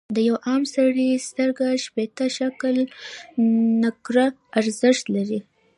د یوه عام سړي سترګه شپیته شِکِل نقره ارزښت لري.